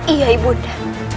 iya ibu nanda